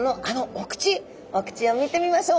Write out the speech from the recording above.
お口を見てみましょう。